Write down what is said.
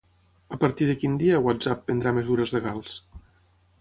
A partir de quin dia WhatsApp prendrà mesures legals?